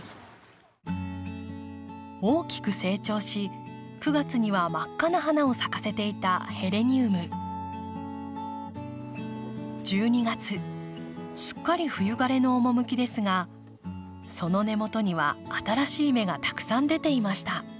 大きく成長し９月には真っ赤な花を咲かせていた１２月すっかり冬枯れの趣ですがその根元には新しい芽がたくさん出ていました。